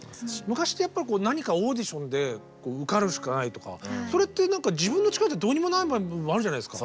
昔ってやっぱり何かオーディションで受かるしかないとかそれって何か自分の力じゃどうにもならない場合もあるじゃないですか。